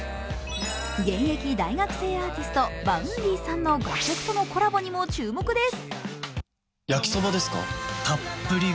現役大学生アーティスト、Ｖａｕｎｄｙさんの楽曲とのコラボにも注目です。